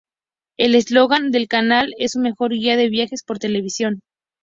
El eslogan del canal es "Su mejor guía de viajes por televisión".